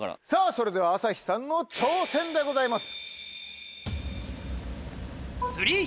それでは朝日さんの挑戦でございます。